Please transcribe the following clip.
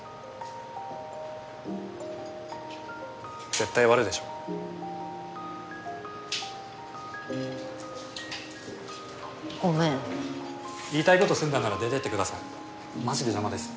絶対割るでしょごめん言いたいこと済んだなら出てってくださいマジで邪魔です